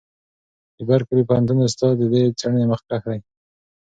د برکلي پوهنتون استاد د دې څېړنې مخکښ دی.